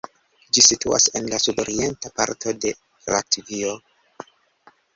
Ĝi situas en la sudorienta parto de Latvio.